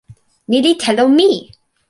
ni li telo mi!